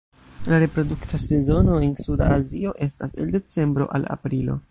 La reprodukta sezono en Suda Azio estas el decembro al aprilo.